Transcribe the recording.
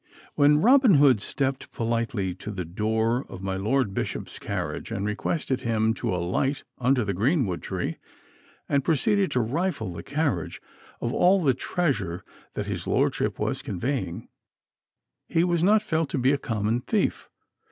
When Robin Hood stepped politely to the door of my Lord Bishop's carriage and requested him to alight under the greenwood tree, and proceeded to rifle the carriage of all the treasure that his lordship was conveying, he was not felt to be a common thief.